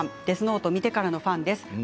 「デスノート」を見てからのファンです。